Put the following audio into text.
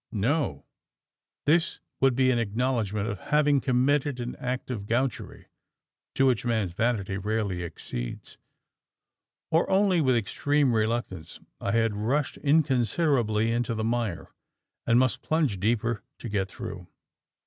No; this would be an acknowledgment of having committed an act of gaucherie to which man's vanity rarely accedes, or only with extreme reluctance. I had rushed inconsiderately into the mire, and must plunge deeper to get through.